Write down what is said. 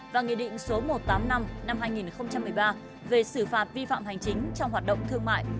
và nghị định số một trăm tám mươi năm năm hai nghìn một mươi ba về xử phạt vi phạm hành chính trong hoạt động thương mại